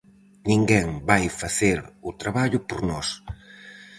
Ninguén vai facer o traballo por nós.